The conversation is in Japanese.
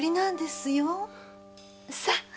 さあ！